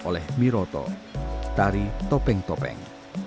oleh miroto tari topeng topeng